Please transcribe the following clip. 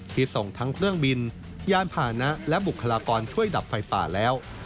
ที่ส่งทั้งเครื่องบินยานผ่านนะและบุคลากรช่วยดับไฟป่าแล้ว